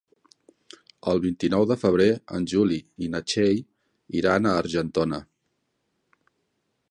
El vint-i-nou de febrer en Juli i na Txell iran a Argentona.